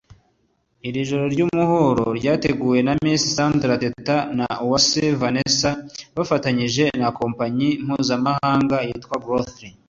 Iri joro ry’umuhuro ryateguwe na Miss Sandra Teta na Uwase Vanessa bafatanyije na kompanyi mpuzamahanga yitwa Growrthy